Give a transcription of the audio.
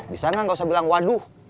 bisa gak gak usah bilang waduh